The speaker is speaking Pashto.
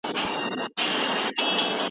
که دی وغواړي نو غږ به تعقیب کړي.